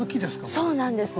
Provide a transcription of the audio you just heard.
そうなんです。